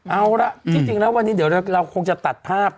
เอาล่ะที่จริงแล้ววันนี้เดี๋ยวเราคงจะตัดภาพ